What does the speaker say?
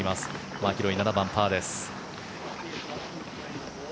マキロイ７番、パーです。